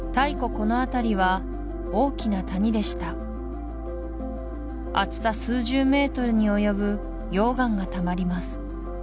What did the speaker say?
この辺りは大きな谷でした厚さ数十メートルに及ぶ溶岩がたまります